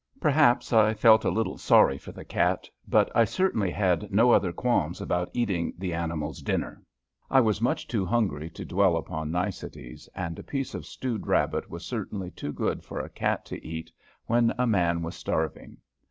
Perhaps I felt a little sorry for the cat, but I certainly had no other qualms about eating the animal's dinner. I was much too hungry to dwell upon niceties, and a piece of stewed rabbit was certainly too good for a cat to eat when a man was starving.